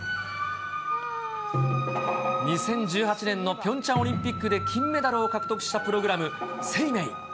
２０１８年のピョンチャンオリンピックで金メダルを獲得したプログラム、ＳＥＩＭＥＩ。